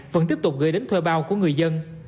vẫn tiếp tục gửi đến thuê bao của người dân